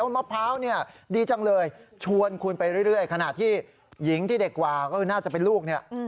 มะพร้าวเนี่ยดีจังเลยชวนคุณไปเรื่อยขณะที่หญิงที่เด็กกว่าก็คือน่าจะเป็นลูกเนี่ย